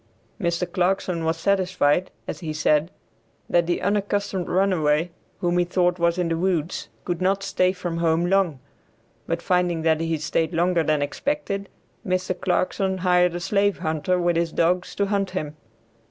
Mr. Clarkson was satisfied, as he said, that the unaccustomed runaway, whom he thought was in the woods could not stay from home long, but finding that he stayed longer than expected, Mr. Clarkson hired a slave hunter with his dogs to hunt him.